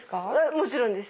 もちろんです。